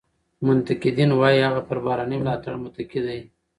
منتقدین وایي هغه پر بهرني ملاتړ متکي دی.